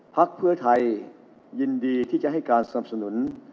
พักเพื่อไทยยินดีที่จะให้การสนับสนุน